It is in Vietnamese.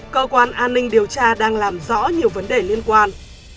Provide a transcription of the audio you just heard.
cơ quan an ninh điều tra đang làm rõ nhiều vấn đề liên quan